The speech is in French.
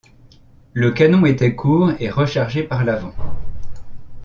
Le canon était court et rechargé par l'avant.